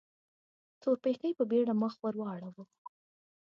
تورپيکۍ په بيړه مخ ور واړاوه.